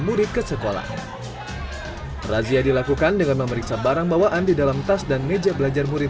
murid ke sekolah razia dilakukan dengan memeriksa barang bawaan di dalam tas dan meja belajar murid